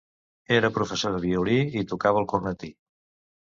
Era professor de violí, i tocava el cornetí.